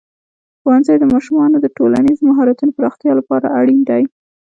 ښوونځی د ماشومانو د ټولنیزو مهارتونو پراختیا لپاره اړین دی.